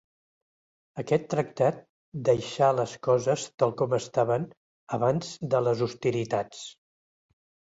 Aquest tractat deixà les coses tal com estaven abans de les hostilitats.